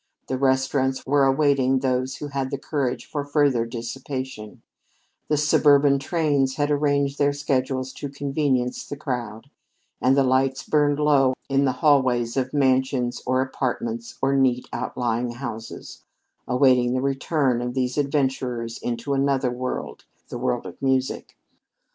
The restaurants were awaiting those who had the courage for further dissipation; the suburban trains had arranged their schedules to convenience the crowd; and the lights burned low in the hallways of mansions, or apartments, or neat outlying houses, awaiting the return of these adventurers into another world the world of music.